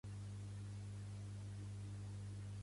De què és deïtat?